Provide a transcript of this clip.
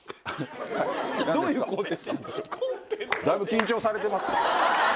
だいぶ緊張されてますか？